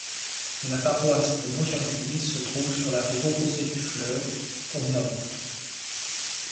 La paroisse de Maugerville se trouve sur la rive opposée du fleuve, au nord.